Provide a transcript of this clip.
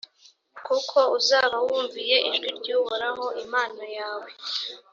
kuko uzaba wumviye ijwi ry’uhoraho imana yawe,